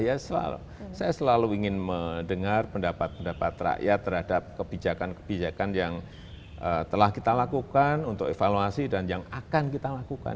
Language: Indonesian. ya selalu saya selalu ingin mendengar pendapat pendapat rakyat terhadap kebijakan kebijakan yang telah kita lakukan untuk evaluasi dan yang akan kita lakukan